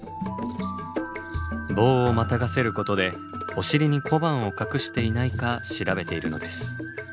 棒をまたがせることでお尻に小判を隠していないか調べているのです。